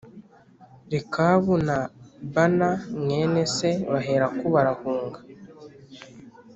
Rekabu na Bāna mwene se baherako barahunga.